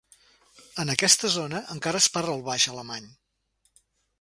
En aquesta zona, encara es parla el baix alemany.